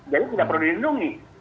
jadi tidak perlu dilindungi